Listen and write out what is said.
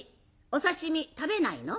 お刺身食べないの？